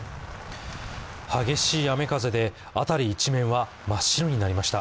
激しい雨風で辺り一面は真っ白になりました。